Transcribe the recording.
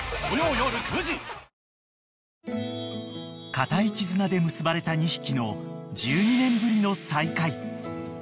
［固い絆で結ばれた２匹の１２年ぶりの再会］